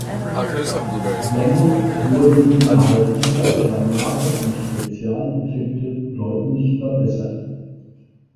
Dennoch wurden innerhalb dieser zwei Jahre die Spezialeffekte deutlich verbessert.